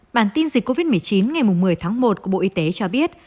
bản tin dịch covid một mươi chín ngày một mươi tháng một của bộ y tế cho biết